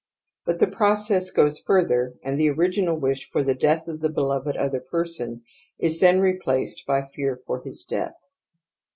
But the process goes further 122 TOTEM AND TABOO andthe original wish for the death of the beloved Jkf other person is then replaced by fear for his death.